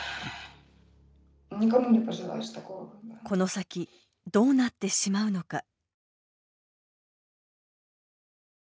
この先、どうなってしまうのか。